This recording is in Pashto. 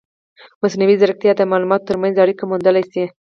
مصنوعي ځیرکتیا د معلوماتو ترمنځ اړیکې موندلی شي.